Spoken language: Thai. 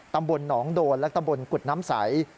ตำบลหนองโดนและตำบลกุฎน้ำใส